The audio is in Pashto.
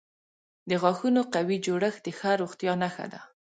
د غاښونو قوي جوړښت د ښه روغتیا نښه ده.